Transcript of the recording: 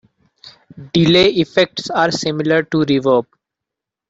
Delay effects are similar to reverb.